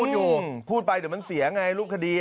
พูดอยู่พูดไปเดี๋ยวมันเสียไงรูปคดี